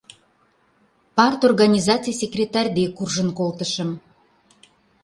Парторганизаций секретарь дек куржын колтышым.